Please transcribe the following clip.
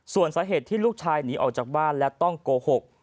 ส่วนสาเหตุที่ลูกชายหนีออกจากบ้านและต้องโกหก